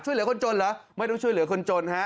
ช่วยเหลือคนจนเหรอไม่รู้ช่วยเหลือคนจนฮะ